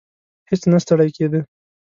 هیڅ نه ستړی کېدی.